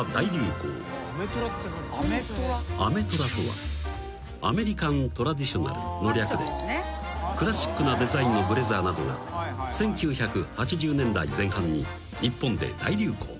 ［アメトラとはアメリカントラディショナルの略でクラシックなデザインのブレザーなどが１９８０年代前半に日本で大流行］